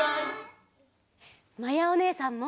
まやおねえさんも。